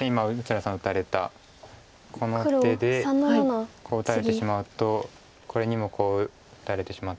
今六浦さん打たれたこの手でこう打たれてしまうとこれにもこう打たれてしまって。